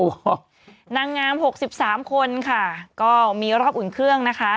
นางงาม๖๓คนค่ะก็มีรอบอุ่นเครื่องนะคะ